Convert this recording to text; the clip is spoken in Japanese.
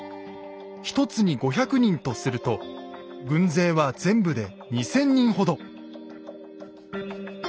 １つに５００人とすると軍勢は全部で２，０００人ほど。